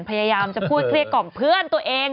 พยายามจะพูดเกลี้ยกล่อมเพื่อนตัวเอง